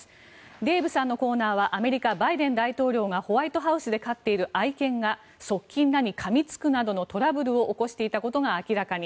デーブさんのコーナーはアメリカバイデン大統領がホワイトハウスで飼っている愛犬が側近らにかみつくなどのトラブルを起こしていたことが明らかに。